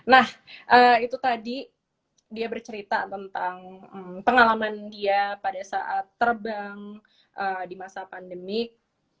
nah itu tadi dia bercerita tentang pengalaman dia pada saat terbang di masa pandemik